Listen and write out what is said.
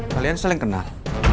kalian seling kenal